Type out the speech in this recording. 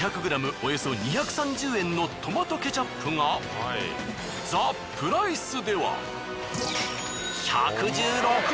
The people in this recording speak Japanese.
およそ２３０円のトマトケチャップがザ・プライスでは。